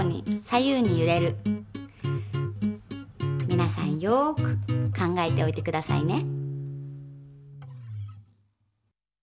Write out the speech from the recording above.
皆さんよく考えておいて下さいね。